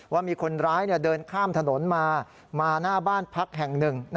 ว่ามีคนร้ายเดินข้ามถนนมามาหน้าบ้านพักแห่งหนึ่ง